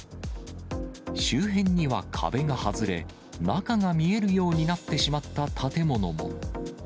周辺には壁が外れ、中が見えるようになってしまった建物も。